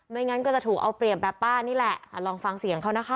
งั้นก็จะถูกเอาเปรียบแบบป้านี่แหละลองฟังเสียงเขานะคะ